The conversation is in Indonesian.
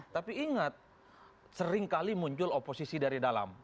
tapi ingat sering kali muncul oposisi dari dalam